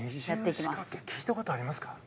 聞いたことありますか？